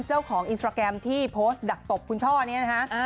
เจ้าของอินสตราแกรมที่โพสต์ดักตบคุณช่อนี้นะคะ